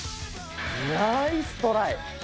ナイストライ。